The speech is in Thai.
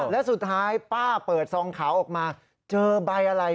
และสุดท้ายป้าเปิดซองขาวออกมาเจอใบอะไร